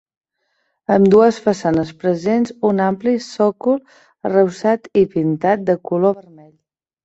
Ambdues façanes presenten un ampli sòcol arrebossat i pintat de color vermell.